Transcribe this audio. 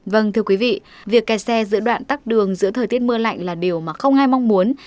vâng thưa quý vị việc kẹt xe giữa đoạn tắt đường giữa thời tiết mưa lạnh là điều mà không ai mong muốn